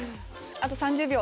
あと３０秒！